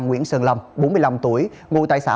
nguyễn sơn lâm bốn mươi năm tuổi ngụ tài sản